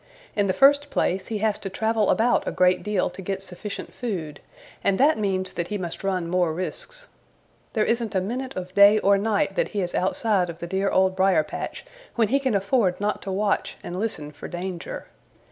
In the first place he has to travel about a great deal to get sufficient food, and that means that he must run more risks. There isn't a minute of day or night that he is outside of the dear Old Briar patch when he can afford not to watch and listen for danger.